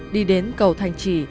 đi đến cầu thành trì